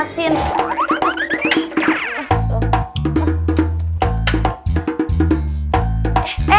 mana penggorengan belum dipanasin